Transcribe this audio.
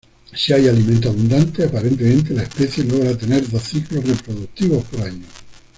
Si hay alimento abundante, aparentemente la especie logra tener dos ciclos reproductivos por año.